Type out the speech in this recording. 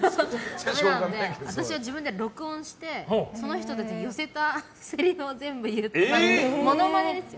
私は自分で録音してその人たちに寄せたせりふを全部言ったりでも、モノマネですよ？